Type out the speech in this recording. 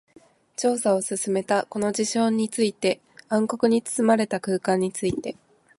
調査を進めた。この事象について、暗黒に包まれた空間について。